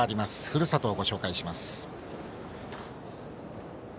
ふるさとをご紹介します。